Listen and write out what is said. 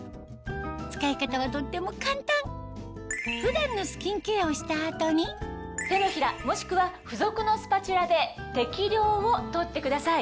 使い方はとっても簡単普段のスキンケアをした後に手のひらもしくは付属のスパチュラで適量を取ってください。